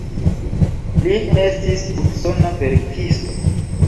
Li estis usona verkisto.